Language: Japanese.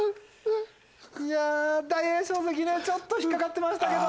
いや大栄翔関ねちょっと引っ掛かってましたけど。